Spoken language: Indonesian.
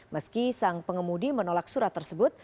meski sang pengemudi menolak surat tersebut